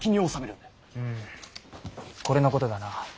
うんこれのことだな。